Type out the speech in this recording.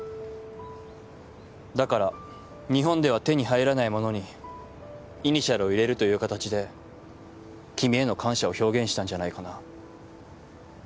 だから日本では手に入らないものにイニシャルを入れるという形で君への感謝を表現したんじゃないかな。